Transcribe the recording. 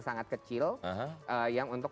sangat kecil yang untuk